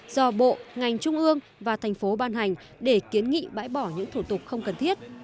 do bộ ngành trung ương và thành phố ban hành để kiến nghị bãi bỏ những thủ tục không cần thiết